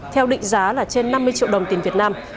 theo định giá là trên năm mươi triệu đồng tiền việt nam